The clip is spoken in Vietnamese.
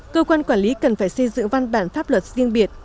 cơ quan quản lý cần phải xây dựng văn bản pháp luật riêng biệt